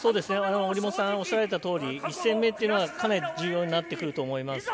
折茂さんがおっしゃられたとおり１戦目というのがかなり重要になってくると思います。